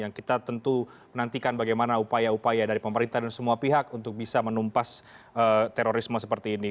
yang kita tentu menantikan bagaimana upaya upaya dari pemerintah dan semua pihak untuk bisa menumpas terorisme seperti ini